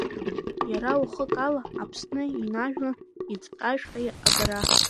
Иара уахык ала Аԥсны инажәлан ицҟьашәҟьа агара!